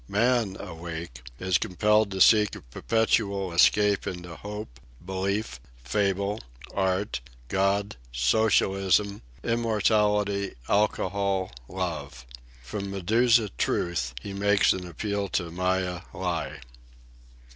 Man, awake, is compelled to seek a perpetual escape into Hope, Belief, Fable, Art, God, Socialism, Immortality, Alcohol, Love. From Medusa Truth he makes an appeal to Maya Lie."